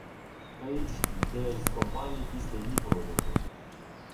Пейдж йде з компанії після її продажу.